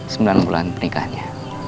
sembilan bulan pernikahannya